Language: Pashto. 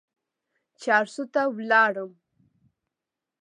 چارسو ته ولاړم.